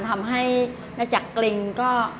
ทำให้หลังจากกริงก็